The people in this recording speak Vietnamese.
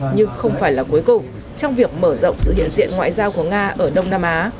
nhưng không phải là cuối cùng trong việc mở rộng sự hiện diện ngoại giao của nga ở đông nam á